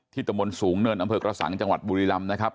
ที่ตมนสงฆ์เนินอำเภิกรสังจังหวัดบุรีลำนะครับ